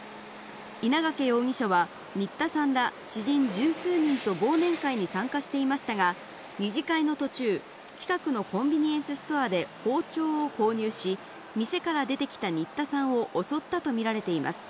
稲掛容疑者は、新田さんら知人十数人と忘年会に参加していましたが、２次会の途中、近くのコンビニエンスストアで包丁を購入し、店から出てきた新田さんを襲ったと見られています。